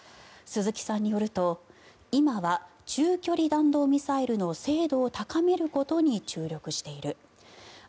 鈴木さんによると今は中距離弾道ミサイルの精度を高めることに注力している。